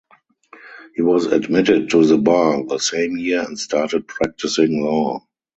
He was admitted to the bar the same year and started practicing law.